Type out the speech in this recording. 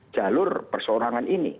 jalur perseorangan ini